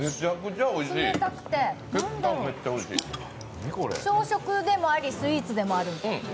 冷たくて、何だろう、朝食でもありスイーツでもある。